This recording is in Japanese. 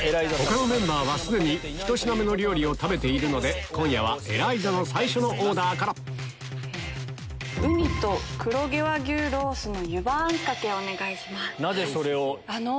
他のメンバーは既に１品目の料理を食べているので今夜はエライザの最初のオーダーからなぜそれを？